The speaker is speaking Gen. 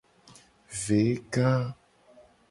Veka.